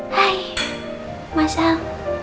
hai mas al